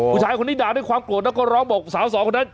ผู้ชายคนนี้ด่าด้วยความโกรธแล้วก็ร้องบอกสาวสองคนนั้น